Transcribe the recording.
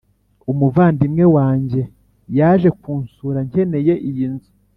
umuvandimwe wanjye yaje kunsura, nkeneye iyi nzu.»